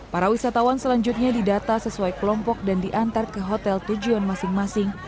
para wisatawan selanjutnya didata sesuai kelompok dan diantar ke hotel tujuan masing masing